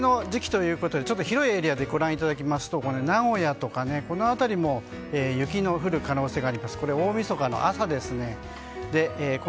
帰省の時期ということでちょっと広いエリアでご覧いただきますと名古屋とか、この辺りも雪の降る可能性があります。